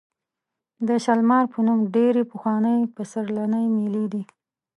د شالمار په نوم ډېرې پخوانۍ پسرلنۍ مېلې دي.